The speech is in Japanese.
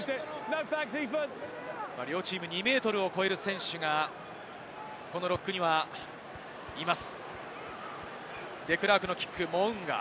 両チーム、２ｍを超える選手がロックにはいます。